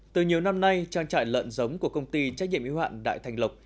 từ nhiều năm nay trang trại lợn giống của công ty trách nhiệm y hoạn đại thành lộc